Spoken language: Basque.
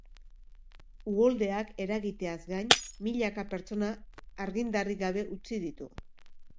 Uholdeak eragiteaz gain, milaka pertsona argindarrik gabe utzi ditu.